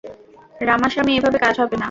রামাসামি, এভাবে কাজ হবে না।